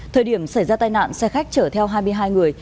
thời điểm xảy ra tai nạn xe khách chở theo hai mươi hai người